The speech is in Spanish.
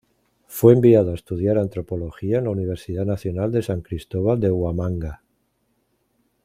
Fue enviado a estudiar antropología en la Universidad Nacional de San Cristóbal de Huamanga.